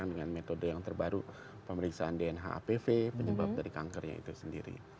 atau dengan metode yang terbaru pemeriksaan dnh apv menyebabkan kanker itu sendiri